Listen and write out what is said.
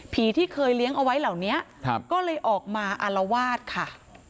ที่เคยเลี้ยงเอาไว้เหล่านี้ก็เลยออกมาอารวาสค่ะ